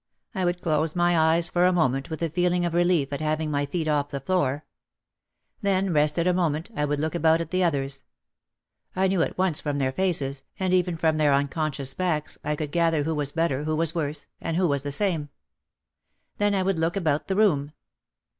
I would close my eyes for a moment with a feeling of relief at having my feet off the floor. Then, rested a moment, I would look about at the others. I knew at once from their faces, and even from their unconscious backs, I could gather who was better, who was worse, and who was the same. Then I would look about the room.